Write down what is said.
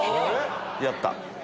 やった！